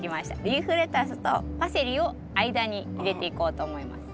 リーフレタスとパセリを間に入れていこうと思います。